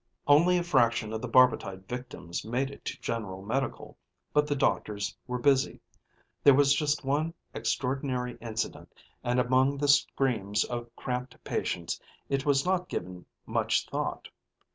Only a fraction of the barbitide victims made it to General Medical, but the doctors were busy. There was just one extraordinary incident, and among the screams of cramped patients, it was not given much thought.